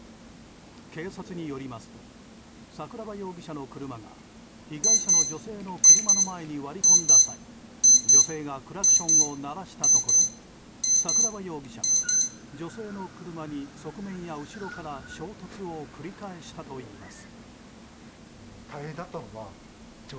警察によりますと桜庭容疑者の車が被害者の女性の車の前に割り込んだ際女性がクラクションを鳴らしたところ桜庭容疑者が女性の車に側面や後ろから衝突を繰り返したといいます。